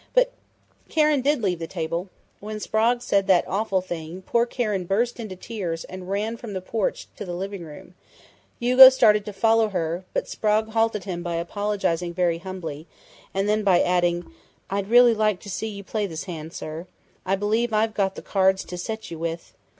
"But Karen did leave the table. When Sprague said that awful thing, poor Karen burst into tears and ran from the porch into the living room, Hugo started to follow her, but Sprague halted him by apologizing very humbly, and then by adding: 'I'd really like to see you play this hand, sir. I believe I've got the cards to set you with....'